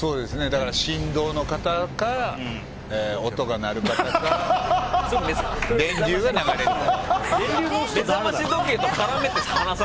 振動の方か音が鳴る方か、電流が流れるか。